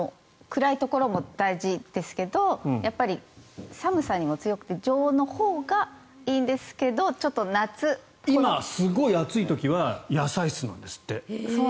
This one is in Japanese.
暗いところも大事ですけどやっぱり寒さにも強くて常温のほうがいいんですけど今、すごく暑い時は野菜室なんですって。